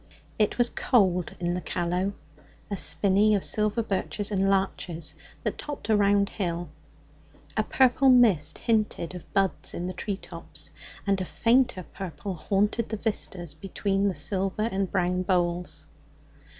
It was cold in the Callow a spinney of silver birches and larches that topped a round hill. A purple mist hinted of buds in the tree tops, and a fainter purple haunted the vistas between the silver and brown boles.